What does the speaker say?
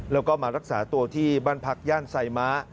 แล้วก็มารักษาตัวที่บ้านพักย่านไซม้า